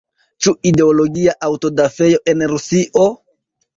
Ĉu ideologia aŭtodafeo en Rusio?